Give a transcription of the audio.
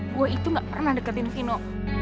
gue itu gak pernah deketin vino